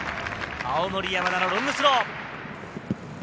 青森山田のロングスロー。